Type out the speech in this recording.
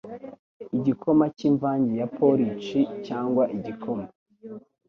Igikoma cy’Imvange ya Porici cyangwa Igikoma